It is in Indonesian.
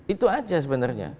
itu aja sebenarnya